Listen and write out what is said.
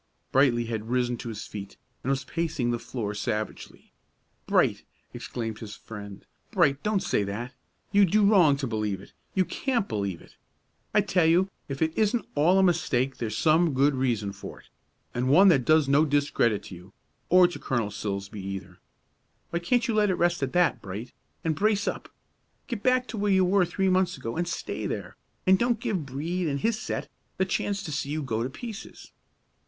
Brightly had risen to his feet, and was pacing the floor savagely. "Bright," exclaimed his friend, "Bright, don't say that! You do wrong to believe it; you can't believe it. I tell you if it isn't all a mistake there's some good reason for it, and one that does no discredit to you, or to Colonel Silsbee either. Why can't you let it rest at that, Bright, and brace up. Get back to where you were three months ago, and stay there, and don't give Brede and his set the chance to see you go to pieces.